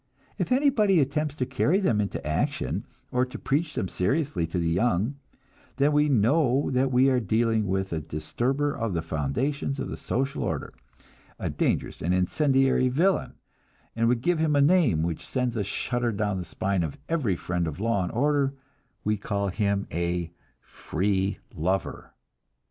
If anybody attempts to carry them into action, or to preach them seriously to the young, then we know that we are dealing with a disturber of the foundations of the social order, a dangerous and incendiary villain, and we give him a name which sends a shudder down the spine of every friend of law and order we call him a "free lover."